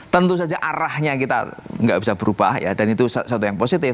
tentu saja arahnya kita nggak bisa berubah ya dan itu suatu yang positif